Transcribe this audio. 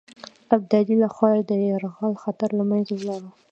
ابدالي له خوا د یرغل خطر له منځه ولاړ.